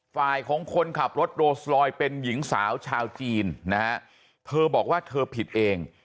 ฝ่ายของคนขับรถโรสลอยเป็นหญิงสาวชาวจีนนะฮะเธอบอกว่าเธอผิดเอง